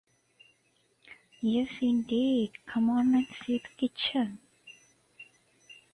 Yes, indeed, come on and see to the kitchen.